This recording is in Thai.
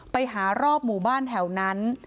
ไปหารอบหมู่บ้านแถวนั้น